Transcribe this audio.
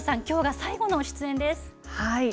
きょうが最後の出演です。